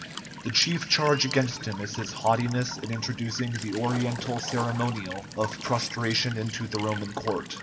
The chief charge against him is his haughtiness in introducing the Oriental ceremonial of prostration into the Roman court.